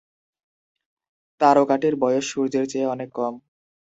তারকাটির বয়স সূর্যের চেয়ে অনেক কম।